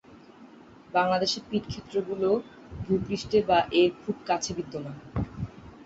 বাংলাদেশে পিট ক্ষেত্রগুলো ভূ-পৃষ্ঠে বা এর খুব কাছে বিদ্যমান।